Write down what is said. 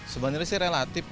sebenarnya sih relatif